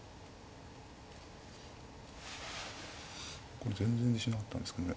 これ全然自信なかったんですけどね。